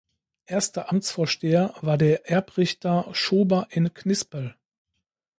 Erster Amtsvorsteher war der Erbrichter Schober in Knispel.